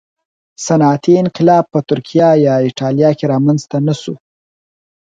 صنعتي انقلاب په ترکیه یا اېټالیا کې رامنځته نه شو